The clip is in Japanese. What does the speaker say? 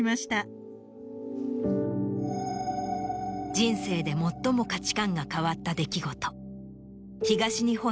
人生で最も価値観が変わった出来事。